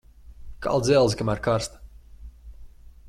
Kal dzelzi, kamēr karsta.